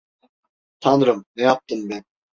Tanrım, ne yaptım ben?